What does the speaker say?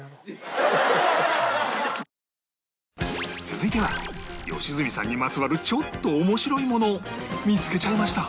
続いては良純さんにまつわるちょっと面白いもの見つけちゃいました